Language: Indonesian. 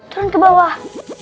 turun ke bawah